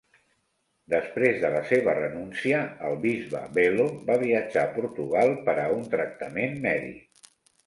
Després de la seva renúncia, el bisbe Belo va viatjar a Portugal per a un tractament mèdic.